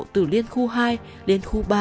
từ liên khu hai liên khu ba